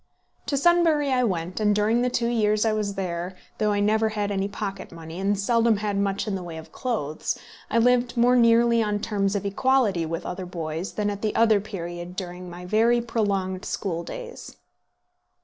To Sunbury I went, and during the two years I was there, though I never had any pocket money, and seldom had much in the way of clothes, I lived more nearly on terms of equality with other boys than at any other period during my very prolonged school days.